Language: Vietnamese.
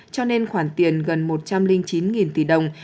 cho nên khoản tiền gần một trăm linh chín tỷ đồng